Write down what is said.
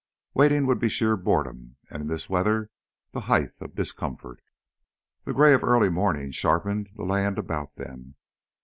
Waiting would be sheer boredom and in this weather the height of discomfort. The gray of early morning sharpened the land about them.